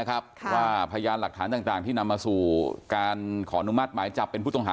พยานหลักฐานต่างที่นำมาสู่การขอนุมัติหมายจับเป็นผู้ต้องหา